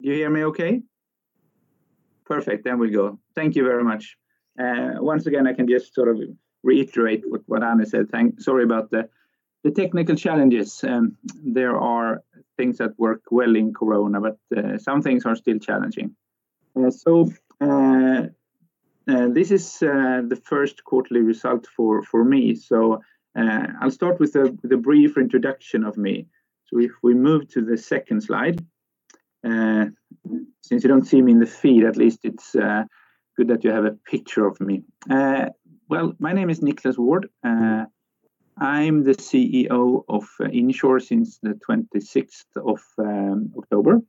You hear me okay? Perfect. There we go. Thank you very much. Once again, I can just sort of reiterate what Anne said. Sorry about the technical challenges. There are things that work well in corona, but some things are still challenging. This is the first quarterly result for me. I'll start with a brief introduction of me. If we move to the second slide. Since you don't see me in the feed, at least it's good that you have a picture of me. Well, my name is Niclas Ward. I'm the CEO of Insr since the 26th of October.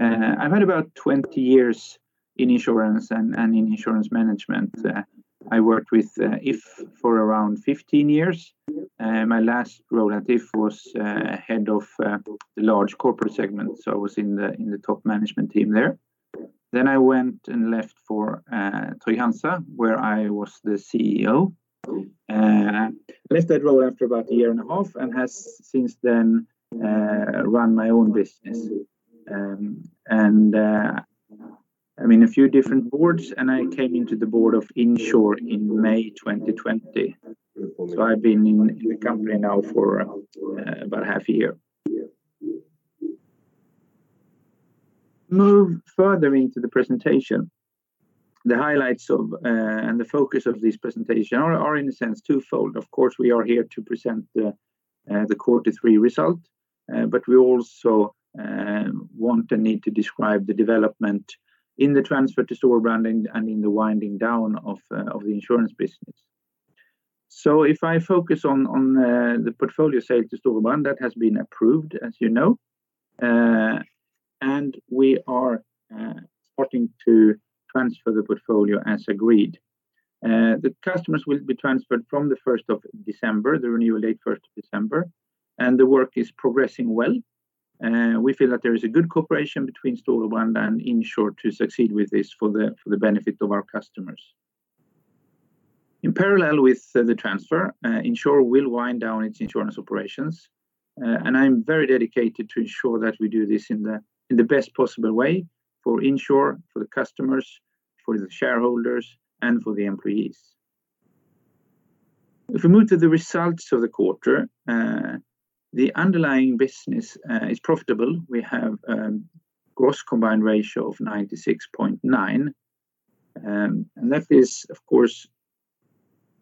I've had about 20 years in insurance and in insurance management. I worked with If for around 15 years. My last role at If was Head of the large corporate segment, so I was in the top management team there. I went and left for Trygg-Hansa, where I was the CEO. Left that role after about a year and a half and have since then run my own business. I'm in a few different boards, and I came into the board of Insr in May 2020. I've been in the company now for about half a year. Move further into the presentation. The highlights of and the focus of this presentation are in a sense twofold. Of course, we are here to present the quarter three result, but we also want and need to describe the development in the transfer to Storebrand and in the winding down of the insurance business. If I focus on the portfolio sale to Storebrand, that has been approved, as you know. We are starting to transfer the portfolio as agreed. The customers will be transferred from the 1st of December, the renewal date 1st of December, and the work is progressing well. We feel that there is a good cooperation between Storebrand and Insr to succeed with this for the benefit of our customers. In parallel with the transfer, Insr will wind down its insurance operations, and I'm very dedicated to ensure that we do this in the best possible way for Insr, for the customers, for the shareholders, and for the employees. If we move to the results of the quarter, the underlying business is profitable. We have a gross combined ratio of 96.9, and that is, of course,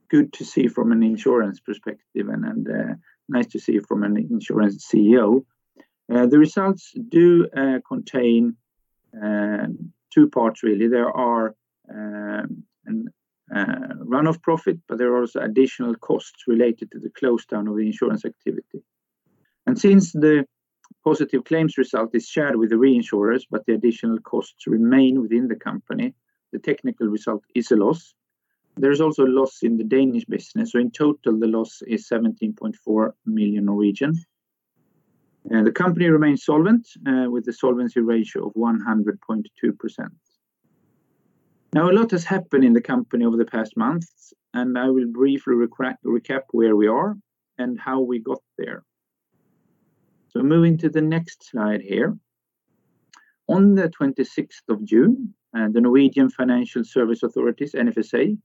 good to see from an insurance perspective and nice to see from an insurance CEO. The results do contain two parts really. There are a run-off profit, but there are also additional costs related to the close down of the insurance activity. Since the positive claims result is shared with the reinsurers, but the additional costs remain within the company, the technical result is a loss. There is also a loss in the Danish business, the loss is 17.4 million. The company remains solvent with the solvency ratio of 100.2%. A lot has happened in the company over the past months, and I will briefly recap where we are and how we got there. Moving to the next slide here. On the 26th of June, the Norwegian Financial Supervisory Authority, NFSA,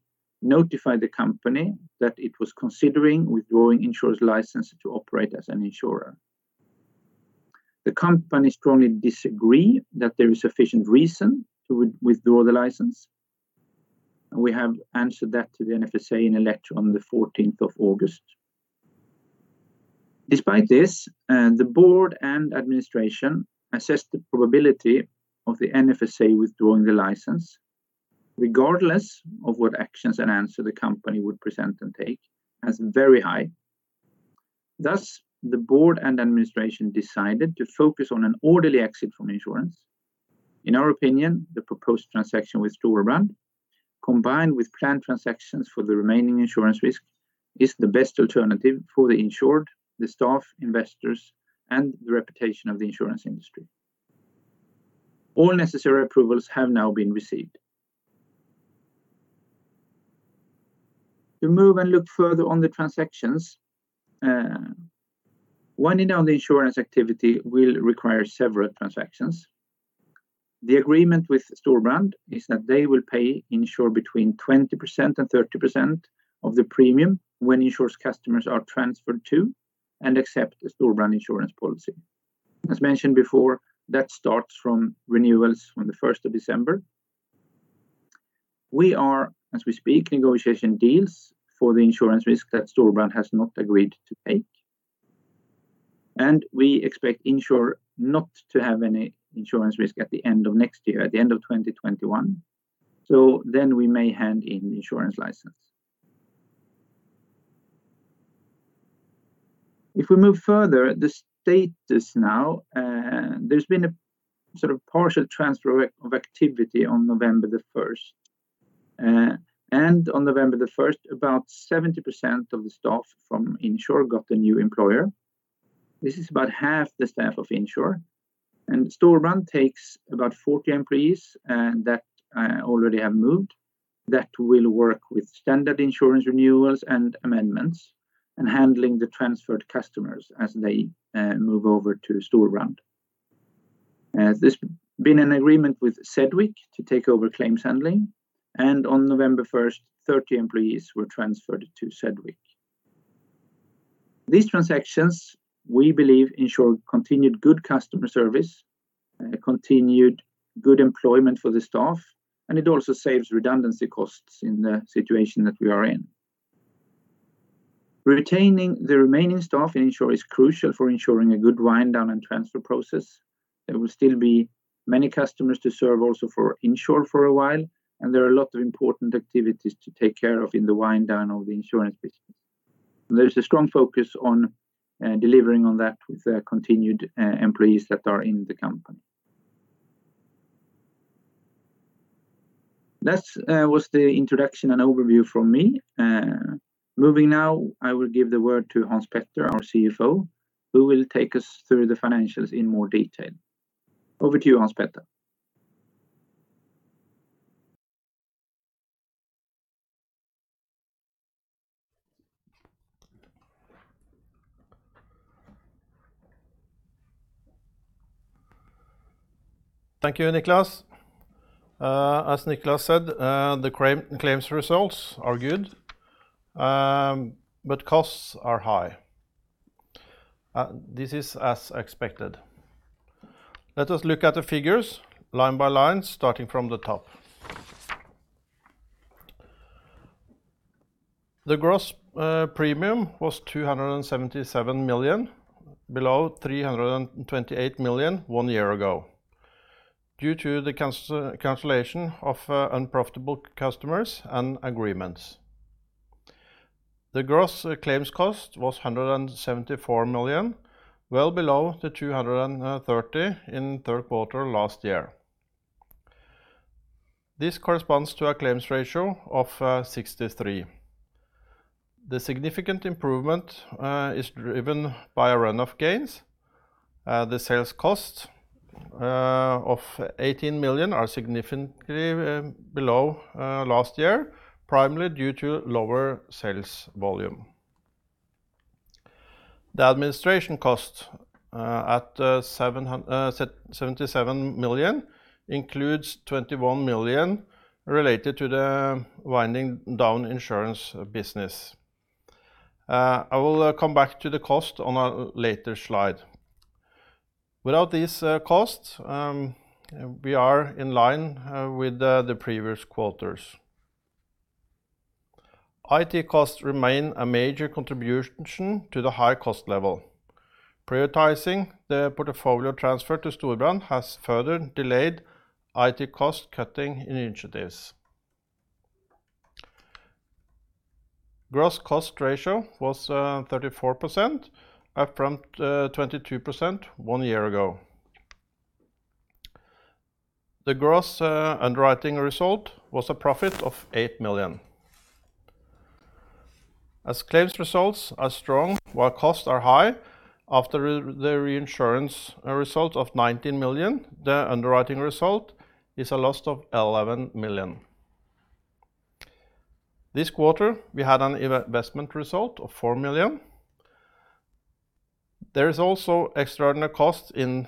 notified the company that it was considering withdrawing Insr's license to operate as an insurer. The company strongly disagree that there is sufficient reason to withdraw the license. We have answered that to the NFSA in a letter on the 14th of August. Despite this, the Board and Administration assessed the probability of the NFSA withdrawing the license, regardless of what actions and answer the company would present and take, as very high. Thus, the Board and Administration decided to focus on an orderly exit from insurance. In our opinion, the proposed transaction with Storebrand, combined with planned transactions for the remaining insurance risk, is the best alternative for Insr, the staff, investors, and the reputation of the insurance industry. All necessary approvals have now been received. To move and look further on the transactions, winding down the insurance activity will require several transactions. The agreement with Storebrand is that they will pay Insr between 20% and 30% of the premium when Insr's customers are transferred to and accept a Storebrand insurance policy. As mentioned before, that starts from renewals from the 1st of December. We are, as we speak, negotiation deals for the insurance risk that Storebrand has not agreed to take. We expect Insr not to have any insurance risk at the end of next year, at the end of 2021. We may hand in the insurance license. If we move further, the status now, there's been a sort of partial transfer of activity on November the 1st. On November the 1st, about 70% of the staff from Insr got a new employer. This is about half the staff of Insr, and Storebrand takes about 40 employees. That will work with standard insurance renewals and amendments, and handling the transferred customers as they move over to Storebrand. There's been an agreement with Sedgwick to take over claims handling. On November 1st, 30 employees were transferred to Sedgwick. These transactions, we believe ensure continued good customer service, continued good employment for the staff, and it also saves redundancy costs in the situation that we are in. Retaining the remaining staff in Insr is crucial for ensuring a good wind down and transfer process. There will still be many customers to serve also for Insr for a while, and there are a lot of important activities to take care of in the wind down of the insurance business. There's a strong focus on delivering on that with the continued employees that are in the company. That was the introduction and overview from me. Moving now, I will give the word to Hans Petter, our CFO, who will take us through the financials in more detail. Over to you, Hans Petter. Thank you, Niclas. As Niclas said, the claims results are good, but costs are high. This is as expected. Let us look at the figures line by line, starting from the top. The gross premium was 277 million, below 328 million one year ago, due to the cancellation of unprofitable customers and agreements. The gross claims cost was 174 million, well below the 230 in third quarter last year. This corresponds to a claims ratio of 63%. The significant improvement is driven by run-off gains. The sales cost of 18 million are significantly below last year, primarily due to lower sales volume. The administration cost at 77 million includes 21 million related to the winding down insurance business. I will come back to the cost on a later slide. Without these costs, we are in line with the previous quarters. IT costs remain a major contribution to the high cost level. Prioritizing the portfolio transfer to Storebrand has further delayed IT cost cutting initiatives. Gross cost ratio was 34%, up from 22% one year ago. The gross underwriting result was a profit of 8 million. As claims results are strong while costs are high after the reinsurance result of 19 million, the underwriting result is a loss of 11 million. This quarter, we had an investment result of 4 million. There is also extraordinary costs in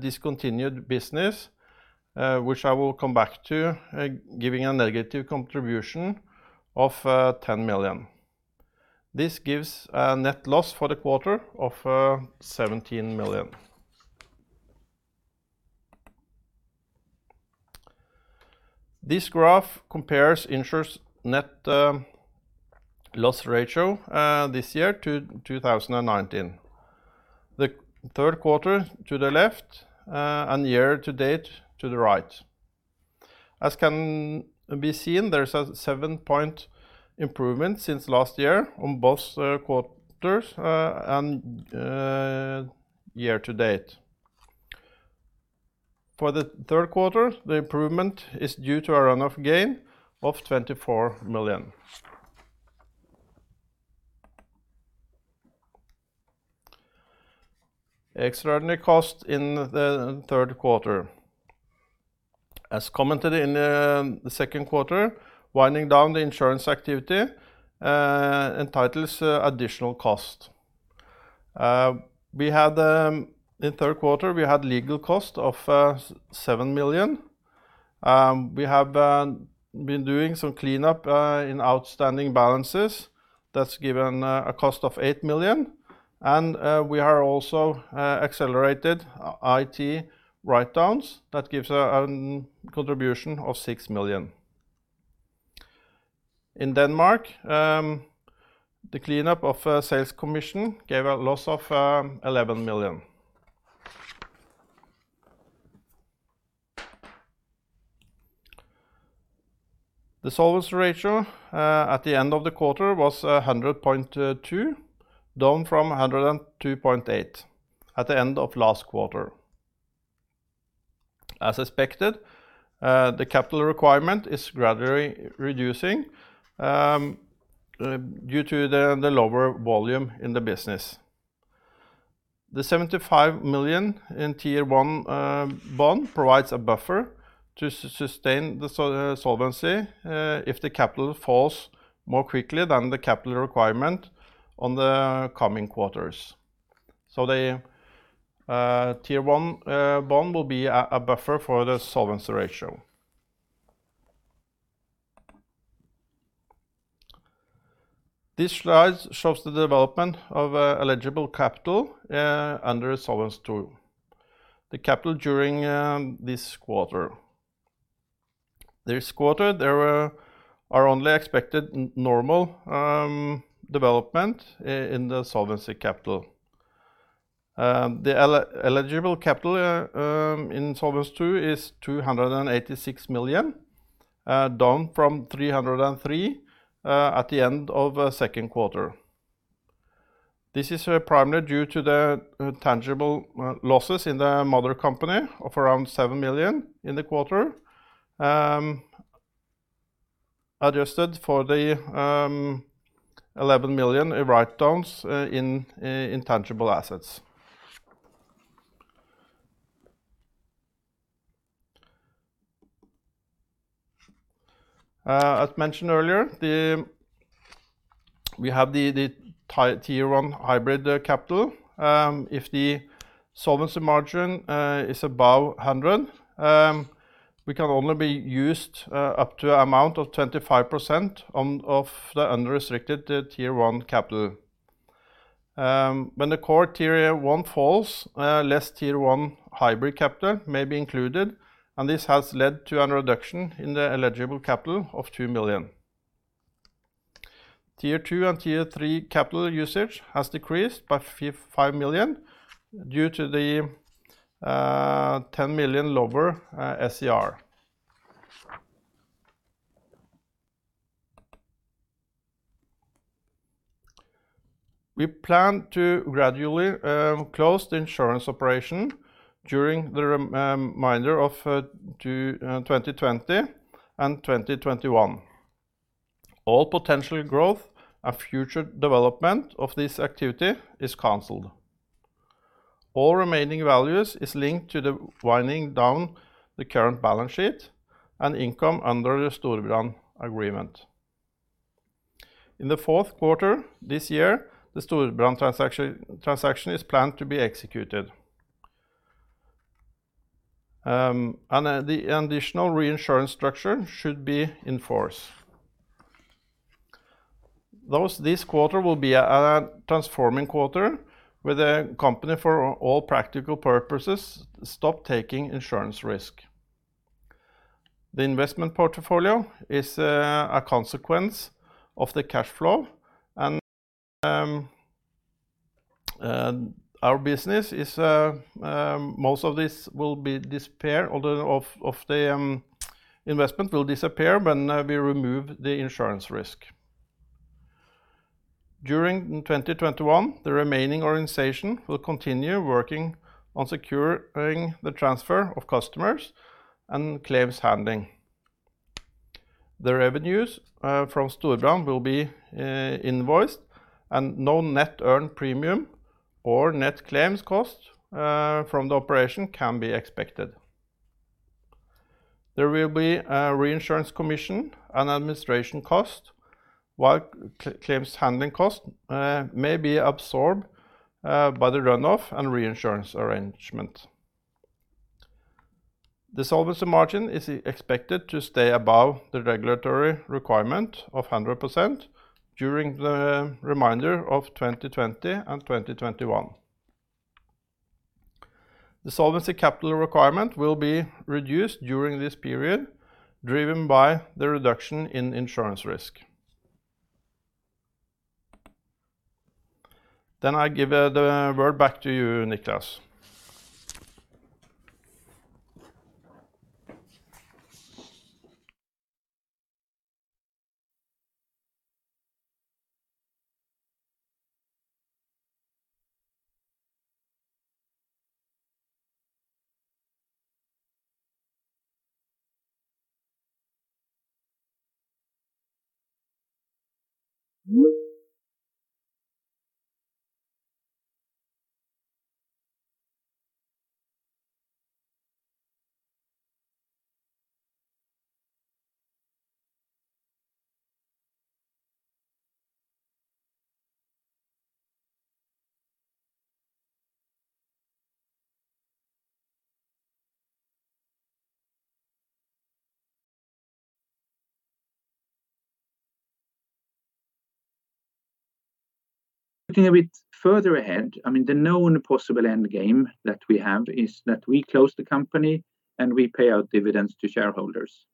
discontinued business, which I will come back to, giving a negative contribution of 10 million. This gives a net loss for the quarter of 17 million. This graph compares Insr's net loss ratio this year to 2019. The third quarter to the left, the year to date to the right. As can be seen, there's a seven-point improvement since last year on both quarters and year to date. For the third quarter, the improvement is due to a run-off gain of 24 million. Extraordinary cost in the third quarter. As commented in the second quarter, winding down the insurance activity entitles additional cost. In the third quarter, we had legal cost of 7 million. We have been doing some cleanup in outstanding balances, that's given a cost of 8 million, and we are also accelerated IT write-downs that gives a contribution of 6 million. In Denmark, the cleanup of sales commission gave a loss of 11 million. The solvency ratio at the end of the quarter was 100.2%, down from 102.8% at the end of last quarter. As expected, the capital requirement is gradually reducing due to the lower volume in the business. The 75 million in Tier 1 bond provides a buffer to sustain the solvency if the capital falls more quickly than the capital requirement on the coming quarters. The Tier 1 bond will be a buffer for the solvency ratio. This slide shows the development of eligible capital under Solvency II. This quarter, there are only expected normal development in the solvency capital. The eligible capital in Solvency II is 286 million, down from 303 at the end of second quarter. This is primarily due to the tangible losses in the mother company of around 7 million in the quarter, adjusted for the 11 million write-downs in intangible assets. As mentioned earlier, we have the Tier 1 hybrid capital. If the solvency margin is above 100, we can only be used up to amount of 25% of the unrestricted Tier 1 capital. When the core Tier 1 falls, less Tier 1 hybrid capital may be included, and this has led to a reduction in the eligible capital of 2 million. Tier 2 and Tier 3 capital usage has decreased by 5 million due to the 10 million lower SCR. We plan to gradually close the insurance operation during the remainder of 2020 and 2021. All potential growth and future development of this activity is canceled. All remaining values is linked to the winding down the current balance sheet and income under the Storebrand agreement. In the fourth quarter this year, the Storebrand transaction is planned to be executed. The additional reinsurance structure should be in force. This quarter will be a transforming quarter with a company, for all practical purposes, stop taking insurance risk. The investment portfolio is a consequence of the cash flow and our business is most of this will disappear, although of the investment will disappear when we remove the insurance risk. During 2021, the remaining organization will continue working on securing the transfer of customers and claims handling. The revenues from Storebrand will be invoiced and no net earned premium or net claims cost from the operation can be expected. There will be a reinsurance commission and administration cost, while claims handling cost may be absorbed by the run-off and reinsurance arrangement. The solvency margin is expected to stay above the regulatory requirement of 100% during the remainder of 2020 and 2021. The solvency capital requirement will be reduced during this period, driven by the reduction in insurance risk. I give the word back to you, Niclas. Looking a bit further ahead, the known possible end game that we have is that we close the company and we pay out dividends to shareholders.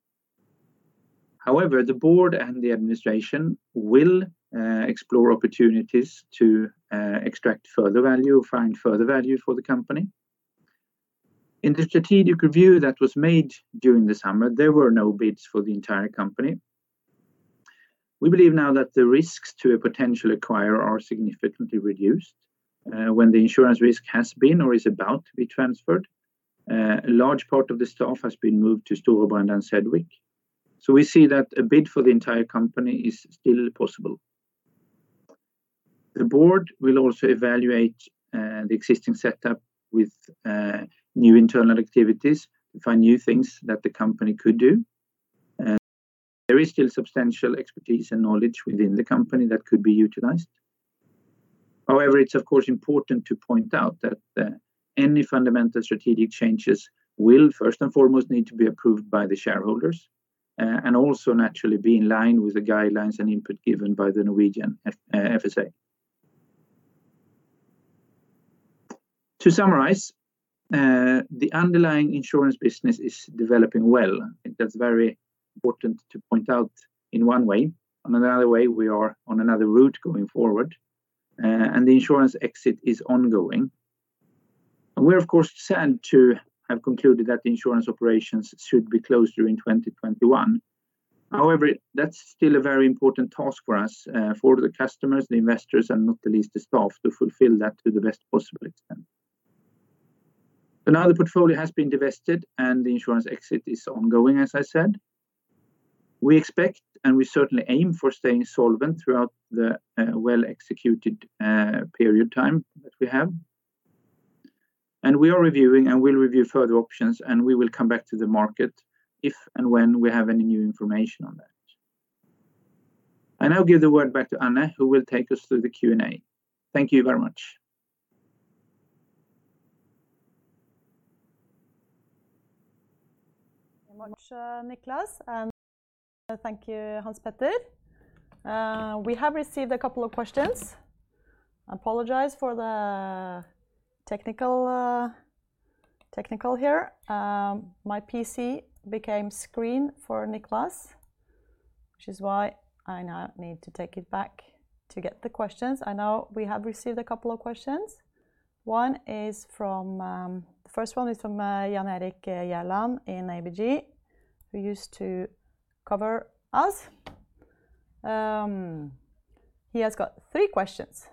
However, the Board and the Administration will explore opportunities to extract further value, find further value for the company. In the strategic review that was made during the summer, there were no bids for the entire company. We believe now that the risks to a potential acquirer are significantly reduced when the insurance risk has been or is about to be transferred. A large part of the staff has been moved to Storebrand and Sedgwick. We see that a bid for the entire company is still possible. The board will also evaluate the existing setup with new internal activities to find new things that the company could do. There is still substantial expertise and knowledge within the company that could be utilized. However, it's of course important to point out that any fundamental strategic changes will first and foremost need to be approved by the shareholders, and also naturally be in line with the guidelines and input given by the Norwegian FSA. To summarize, the underlying insurance business is developing well. I think that's very important to point out in one way. In another way, we are on another route going forward, and the insurance exit is ongoing. We're of course sad to have concluded that the insurance operations should be closed during 2021. However, that's still a very important task for us, for the customers, the investors, and not least the staff, to fulfill that to the best possible extent. Now the portfolio has been divested and the insurance exit is ongoing, as I said. We expect, and we certainly aim for, staying solvent throughout the well-executed period time that we have. We are reviewing and will review further options, and we will come back to the market if and when we have any new information on that. I now give the word back to Anne, who will take us through the Q&A. Thank you very much. Thank you very much, Niclas. Thank you, Hans Petter. We have received a couple of questions. I apologize for the technical here. My PC became screen for Niclas, which is why I now need to take it back to get the questions. I know we have received a couple of questions. The first one is from Jan Erik Gjerland in ABG, who used to cover us. He has got three questions.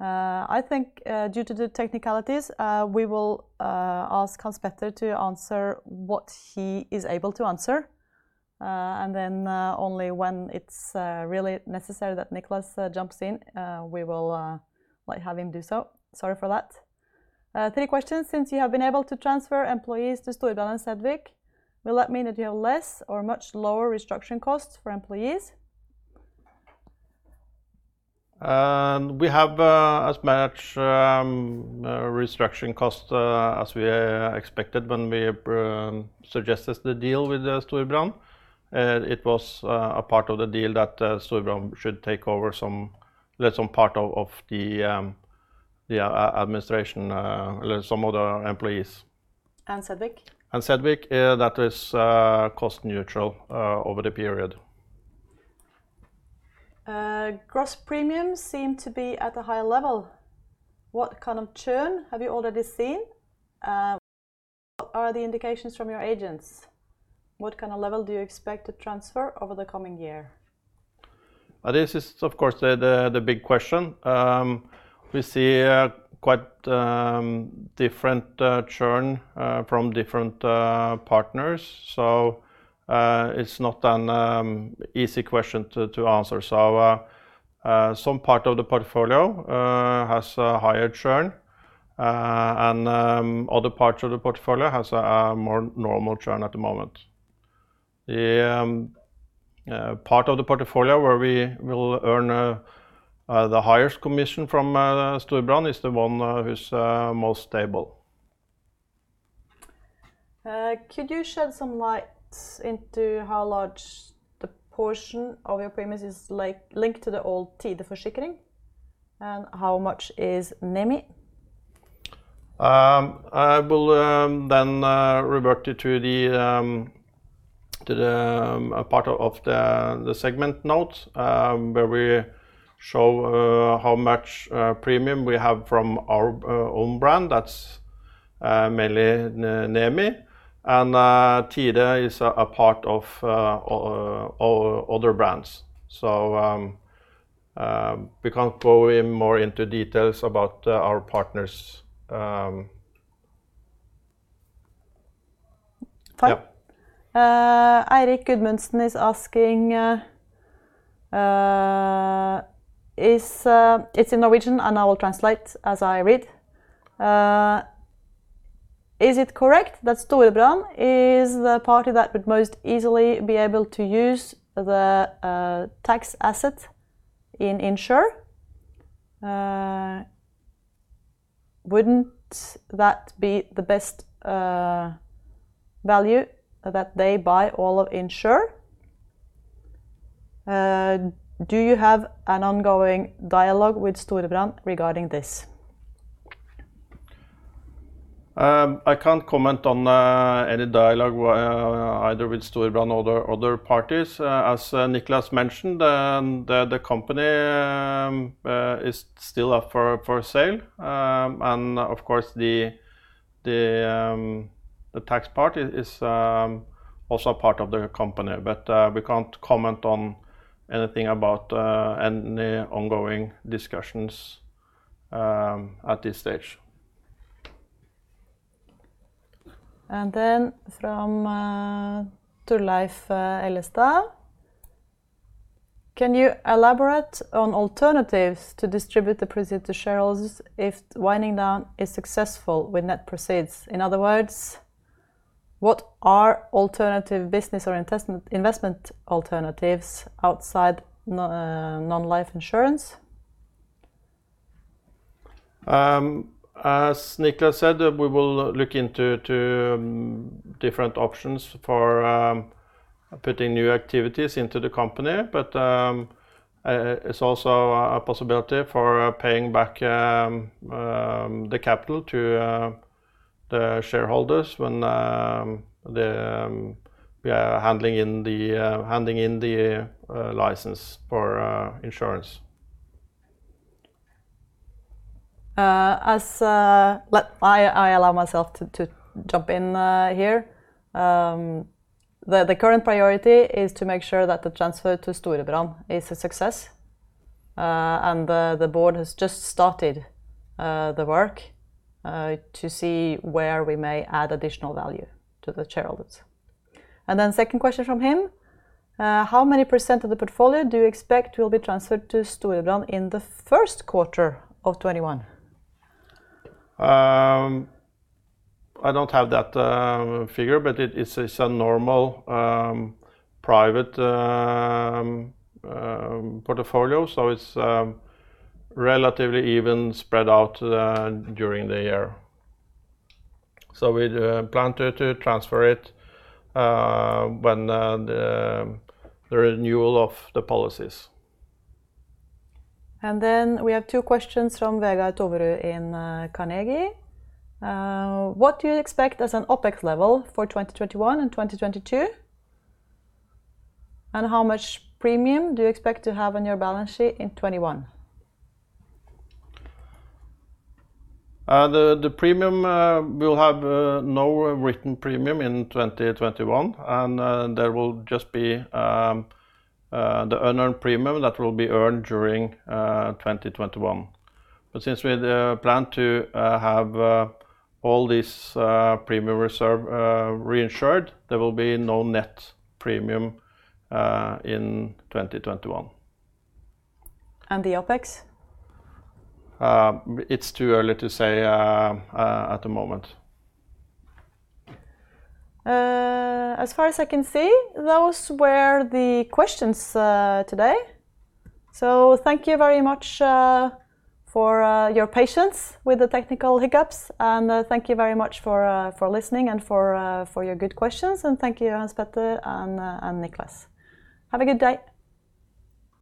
I think, due to the technicalities, we will ask Hans Petter to answer what he is able to answer, and then only when it's really necessary that Niclas jumps in, we will have him do so. Sorry for that. Three questions. Since you have been able to transfer employees to Storebrand and Sedgwick, will that mean that you have less or much lower restructuring costs for employees? We have as much restructuring cost as we expected when we suggested the deal with Storebrand. It was a part of the deal that Storebrand should take over some part of the administration, some of the employees. Sedgwick? Sedgwick. That is cost neutral over the period. Gross premiums seem to be at a high level. What kind of churn have you already seen? What are the indications from your agents? What kind of level do you expect to transfer over the coming year? This is, of course, the big question. We see quite different churn from different partners, so it's not an easy question to answer. Some part of the portfolio has a higher churn, and other parts of the portfolio has a more normal churn at the moment. The part of the portfolio where we will earn the highest commission from Storebrand is the one who's most stable. Could you shed some light into how large the portion of your premiums is linked to the old Tide Forsikring, and how much is Nemi? I will then revert you to the part of the segment notes, where we show how much premium we have from our own brand. That's mainly Nemi. Tide is a part of other brands. We can't go more into details about our partners. Fine. Eirik Gudmundsen is asking, it's in Norwegian, and I will translate as I read. Is it correct that Storebrand is the party that would most easily be able to use the tax asset in Insr? Wouldn't that be the best value that they buy all of Insr? Do you have an ongoing dialogue with Storebrand regarding this? I can't comment on any dialogue, either with Storebrand or other parties. As Niclas mentioned, the company is still up for sale. Of course, the tax part is also part of the company, but we can't comment on anything about any ongoing discussions at this stage. From Torleif Ernstsen, can you elaborate on alternatives to distribute the proceeds to shareholders if winding down is successful with net proceeds? In other words, what are alternative business or investment alternatives outside non-life insurance? As Niclas said, we will look into different options for putting new activities into the company. It's also a possibility for paying back the capital to the shareholders when we are handing in the license for insurance. I allow myself to jump in here. The current priority is to make sure that the transfer to Storebrand is a success. The board has just started the work to see where we may add additional value to the shareholders. Second question from him, how many percent of the portfolio do you expect will be transferred to Storebrand in the first quarter of 2021? I don't have that figure, but it is a normal private portfolio, so it's relatively even spread out during the year. We plan to transfer it when the renewal of the policies. We have two questions from Vegard Toverud in Carnegie. What do you expect as an OpEx level for 2021 and 2022? How much premium do you expect to have on your balance sheet in 2021? The premium, we'll have no written premium in 2021, and there will just be the unearned premium that will be earned during 2021. Since we plan to have all these premium reserve reinsured, there will be no net premium in 2021. The OpEx? It's too early to say at the moment. As far as I can see, those were the questions today. Thank you very much for your patience with the technical hiccups, and thank you very much for listening and for your good questions, and thank you, Hans Petter and Niclas. Have a good day.